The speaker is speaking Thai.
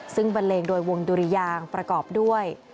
ซึ่งบันเลงโดยวงดุริยางประกอบด้วย